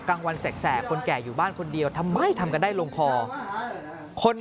กลางวันแสกคนแก่อยู่บ้านคนเดียวทำไมทำกันได้ลงคอคน